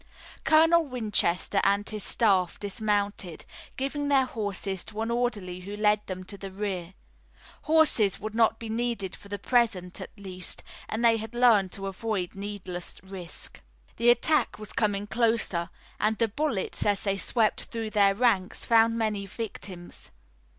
Colonel Winchester and his staff dismounted, giving their horses to an orderly who led them to the rear. Horses would not be needed for the present, at least, and they had learned to avoid needless risk. The attack was coming closer, and the bullets as they swept through their ranks found many victims.